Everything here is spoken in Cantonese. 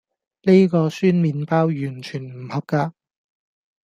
呢個酸麵包完全唔合格